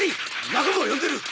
仲間を呼んでる！